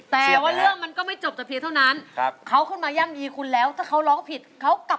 แล้วคุณไมค์ก็ได้กลับมาเล่นอีกหนึ่งรอบ